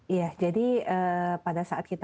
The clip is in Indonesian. iya jadi pada saat kita